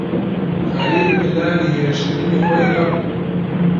خەلیل پلانی هێرشکردنی خۆی هەبوو.